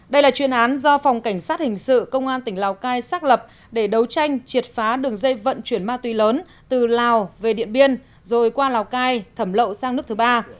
đây là chuyên án do phòng cảnh sát hình sự công an tỉnh lào cai xác lập để đấu tranh triệt phá đường dây vận chuyển ma túy lớn từ lào về điện biên rồi qua lào cai thẩm lậu sang nước thứ ba